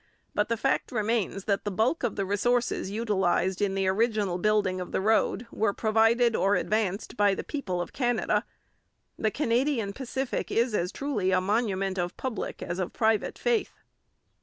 But the fact remains that the bulk of the resources utilized in the original building of the road were provided or advanced by the people of Canada. The Canadian Pacific is as truly a monument of public as of private faith.